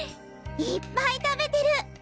いっぱい食べてる！